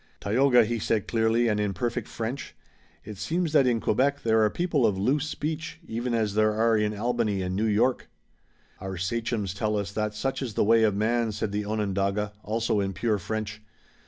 "Tayoga," he said clearly and in perfect French, "it seems that in Quebec there are people of loose speech, even as there are in Albany and New York." "Our sachems tell us that such is the way of man," said the Onondaga, also in pure French.